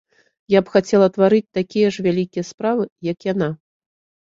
Я б хацела тварыць такія ж вялікія справы, як яна.